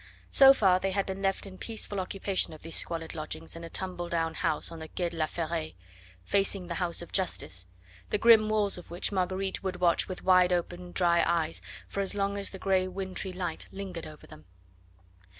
So far they had been left in peaceful occupation of these squalid lodgings in a tumble down house on the Quai de la Ferraille, facing the house of Justice, the grim walls of which Marguerite would watch with wide open dry eyes for as long as the grey wintry light lingered over them.